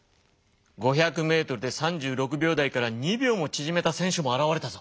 ５００メートルで３６秒台から２秒もちぢめた選手も現れたぞ。